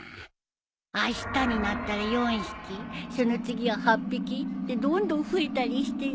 あしたになったら４匹その次は８匹ってどんどん増えたりしてね。